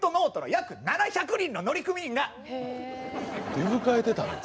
出迎えてたんだ。